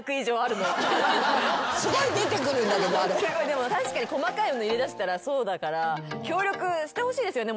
でも確かに細かいの入れだしたらそうだから協力してほしいですよね